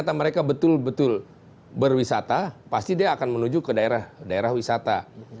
anda kata mereka betul betul berwisata pasti dia akan menuju ke daerah wisata